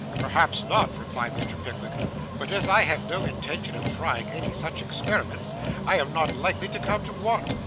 'Perhaps not,' replied Mr. Pickwick; 'but as I have no intention of trying any such experiments, I am not likely to come to want.